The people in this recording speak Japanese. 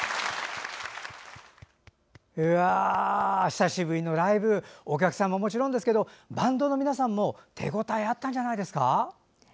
久しぶりのライブお客さんももちろんですけどバンドの皆さんも手応えあったんじゃないんですか。